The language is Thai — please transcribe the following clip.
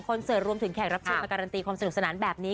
เสิร์ตรวมถึงแขกรับเชิญมาการันตีความสนุกสนานแบบนี้